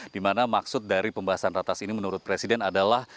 dimana maksud dari pembahasan ratas ini menurut presiden adalah